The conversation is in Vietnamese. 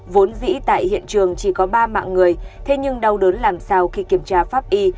vốn vĩ tại hiện trường chỉ có ba mạng người thế nhưng đau đớn làm sao khi kiểm tra pháp y